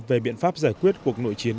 về biện pháp giải quyết cuộc nội chiến